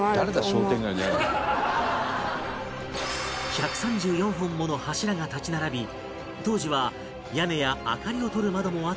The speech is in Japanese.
１３４本もの柱が立ち並び当時は屋根や明かりをとる窓もあったとされる